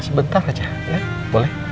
sebentar aja ya boleh